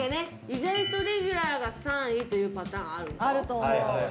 意外とレギュラーが３位っていうパターンある。